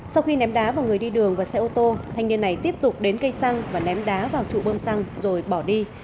sau khi ném đá vào người đi đường và xe ô tô thanh niên này tiếp tục đến cây xăng và ném đá vào trụ bơm xăng rồi bỏ đi